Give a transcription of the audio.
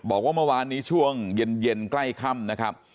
บอกว่าเมื่อวานนี้ช่วงเย็นใกล้ค่ำนะครับ